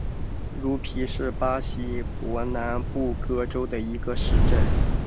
茹皮是巴西伯南布哥州的一个市镇。